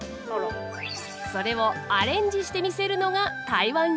それをアレンジしてみせるのが台湾流。